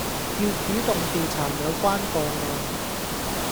要主動調查有關個案